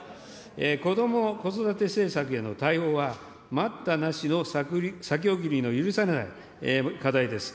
こども・子育て政策への対応は、待ったなしの先送りの許されない課題です。